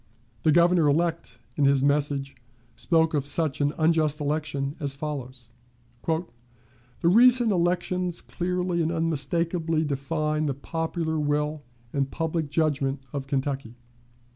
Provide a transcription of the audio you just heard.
The Governor elect in his message spoke, of such an unjust election, as follows: "The recent elections clearly and unmistakably define the popular will and public judgment of Kentucky.